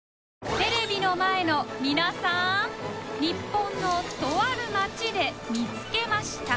テレビの前の皆さん日本のとある町で見つけました